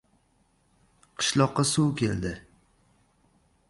Qishloqqa suv keldi.